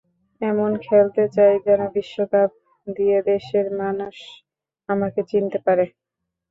এমন খেলতে চাই যেন বিশ্বকাপ দিয়ে দেশের মানুষ আমাকে চিনতে পারে।